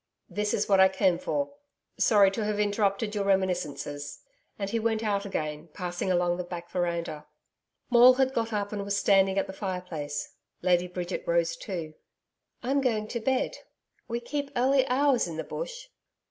'This is what I came for. Sorry to have interrupted your reminiscences,' and he went out again, passing along the back veranda. Maule had got up and was standing at the fireplace. Lady Bridget rose too. 'I'm going to bed. We keep early hours in the Bush.'